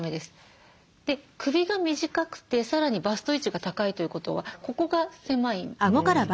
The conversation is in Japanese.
で首が短くてさらにバスト位置が高いということはここが狭いんです。